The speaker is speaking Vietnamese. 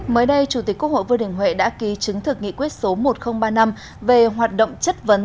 mới đây chủ tịch quốc hội vương đình huệ đã ký chứng thực nghị quyết số một nghìn ba mươi năm về hoạt động chất vấn